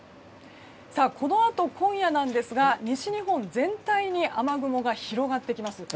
このあと、今夜ですが西日本全体に雨雲が広がってきます。